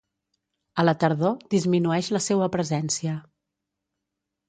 A la tardor disminueix la seua presència.